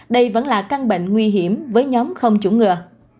đây vẫn là căn bệnh nguy hiểm với nhóm không chủng ngừa